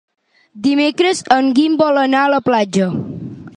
Dimecres en Guim vol anar a la platja.